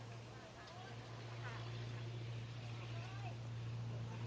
สวัสดีสวัสดี